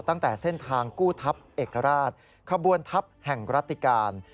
ตั้งแต่เส้นทางกู้ทัพเอกราชขบวนทัพแห่งรัติการ